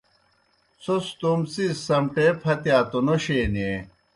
څھوْس توموْ څِیز سمٹے پھتِیا توْ نوشے نیں۔